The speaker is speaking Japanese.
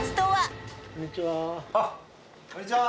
こんにちは